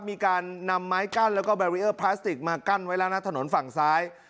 มีการนำไม้กั้นแล้วก็บาเรียร์พลาสติกมากั้นไว้ล่างหน้าถนนฝั่งซ้าย